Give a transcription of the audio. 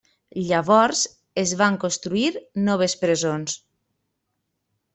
Llavors es van construir noves presons.